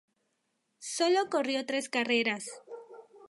Sólo corrió tres carreras.